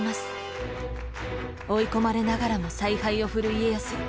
追い込まれながらも采配を振る家康。